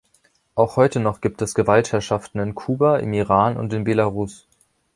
Auch heute noch gibt es Gewaltherrschaften in Kuba, im Iran und in Belarus.